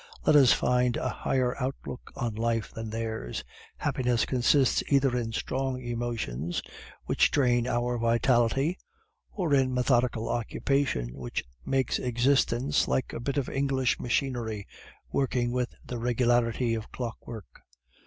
Let us find a higher outlook on life than theirs. Happiness consists either in strong emotions which drain our vitality, or in methodical occupation which makes existence like a bit of English machinery, working with the regularity of clockwork.